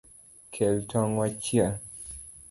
Kel tong’ wachiel